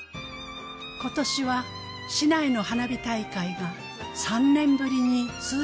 今年は市内の花火大会が３年ぶりに通常開催。